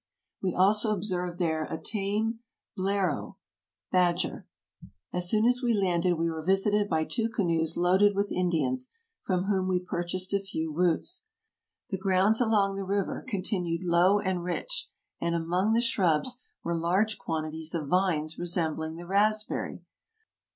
We also observed there a tame blaireau [badger]. •' As soon as we landed we were visited by two canoes loaded with Indians, from whom we purchased a few roots. The grounds along the river continued low and rich, and among the shrubs were large quantities of vines resembling the raspberry.